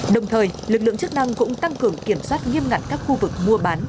đồng thời lực lượng chức năng cũng tăng cường kiểm soát nghiêm ngặt các khu vực mua bán